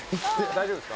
大丈夫です。